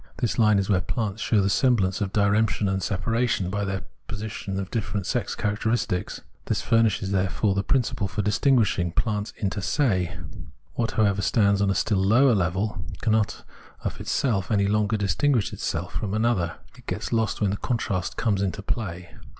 This line is where plants show the semblance of diremption and separa tion by the possession of different sex characters ; this furnishes, therefore, the principle for distinguishing plants inter se. What, however, stands on a still lower level cannot of itself any longer distinguish itself from another; it gets lost when the contrast comes into play.